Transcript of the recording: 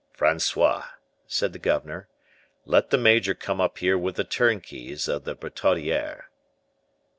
"Francois," said the governor, "let the major come up here with the turnkeys of the Bertaudiere."